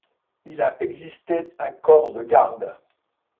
Il a existé un corps de garde.